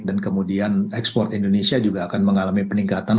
dan kemudian ekspor indonesia juga akan mengalami peningkatan